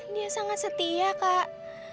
dia sangat setia kak